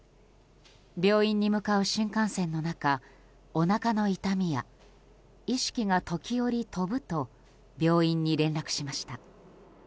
病院に向かう新幹線の中おなかの痛みや意識が時折飛ぶと病院に連絡しました。